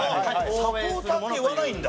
「サポーター」って言わないんだ？